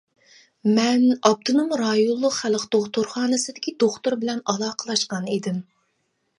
مەن ئاپتونوم رايونلۇق خەلق دوختۇرخانىسىدىكى دوختۇر بىلەن ئالاقىلەشكەن ئىدىم.